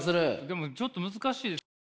でもちょっと難しいですよね。